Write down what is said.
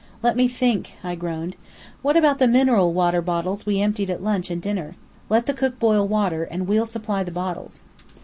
"Let me think!" I groaned. "What about the mineral water bottles we emptied at lunch and dinner? Let the cook boil water, and we'll supply the bottles."